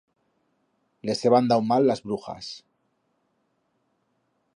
Les heban dau mal las brujas.